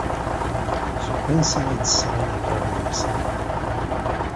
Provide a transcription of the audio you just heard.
Seg wansi ay d-sɣan iqraben-nsen?